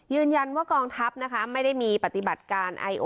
ยืนยันว่ากองทัพไม่ได้มีปฏิบัติการ